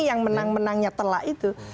yang menang menangnya telak itu